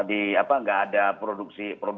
di apa nggak ada produksi